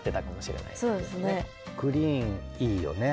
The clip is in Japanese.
グリーンいいよね。